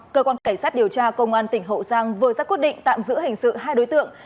cơ quan cảnh sát điều tra công an tỉnh hậu giang vừa ra quyết định tạm giữ hình sự hai đối tượng